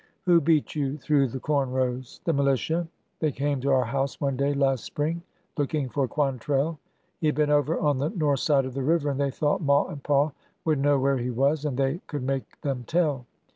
Who beat you through the corn rows ?"" The militia. They came to our house one day last spring, looking for Quantrell. He had been over on the north side of the river, and they thought ma and pa would know where he was, and they could make them tell.